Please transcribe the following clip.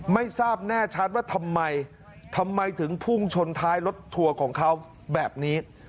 ไม่ทราบแน่ชัดว่าทำไมทำไมถึงพุ่งชนท้ายรถทัวร์ของเขาแบบนี้